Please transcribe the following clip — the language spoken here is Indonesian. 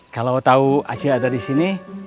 kalau tau aja ada disini